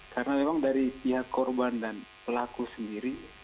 karena memang dari pihak korban dan pelaku sendiri